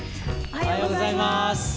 おはようございます。